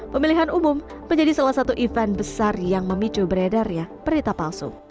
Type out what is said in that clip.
pemilihan umum menjadi salah satu event besar yang memicu beredarnya berita palsu